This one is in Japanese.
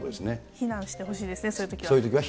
避難してほしいですね、そういうときは。